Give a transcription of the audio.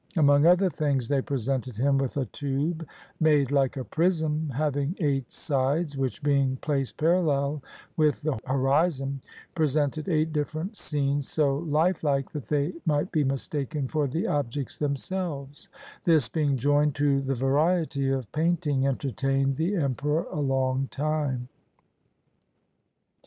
Among other things, they presented him with a tube made like a prism having eight sides, which being placed parallel with the horizon, presented eight different scenes so lifelike that they might be mistaken for the objects themselves; this being joined to the variety of painting entertained the emperor a long time.